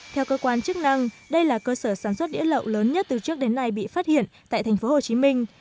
theo cơ quan chức năng đây là cơ sở sản xuất đĩa lậu lớn nhất từ trước đến nay bị phát hiện tại thành phố hồ chí minh